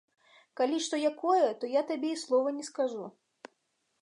Калі што якое, то я табе і слова не скажу.